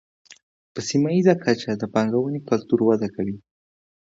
په سیمه ییزه کچه د پانګونې کلتور وده کوي.